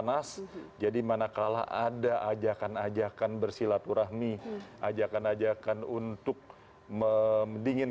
karena kita mengetahui saat ini situasi sangat teruk